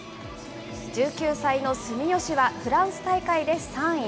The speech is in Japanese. １９歳の住吉は、フランス大会で３位。